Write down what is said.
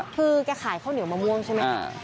คือแกขายข้าวเหนียวมะม่วงใช่ไหม